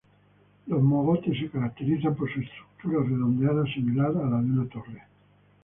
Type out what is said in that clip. Los mogotes se caracterizan por su estructura redondeada, similar a la de una torre.